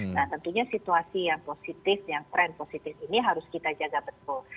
nah tentunya situasi yang positif yang trend positif ini harus kita jaga betul